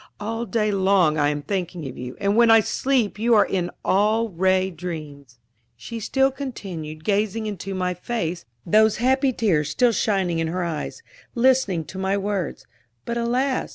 All day long I am thinking of you, and when I sleep you are in all ray dreams." She still continued gazing into my face, those happy tears still shining in her eyes, listening to my words; but alas!